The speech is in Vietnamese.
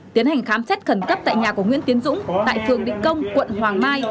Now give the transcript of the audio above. tiến hành khám xét khẩn cấp tại nhà của nguyễn tiến dũng tại phường định công quận hoàng mai